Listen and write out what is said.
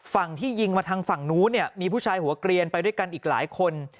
ฝั่งที่ยิงมาทางฝั่งนู้นเนี่ยมีผู้ชายหัวเกลียนไปด้วยกันอีกหลายคน